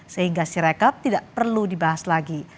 sehingga sirekap tidak perlu dibahas lagi